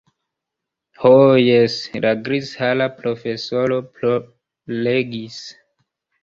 Ho jes, la grizhara profesoro ploregis.